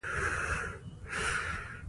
ستره هیله مې داده چې مکتبونه خلاص شي